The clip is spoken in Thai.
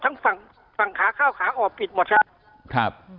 ทางฝั่งขาข้าวขาออกปิดหมดครับ